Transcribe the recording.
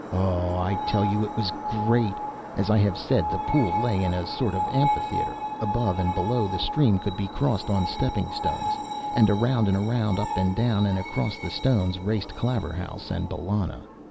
Oh, I tell you, it was great! As I have said, the pool lay in a sort of amphitheatre. Above and below, the stream could be crossed on stepping stones. And around and around, up and down and across the stones, raced Claverhouse and Bellona.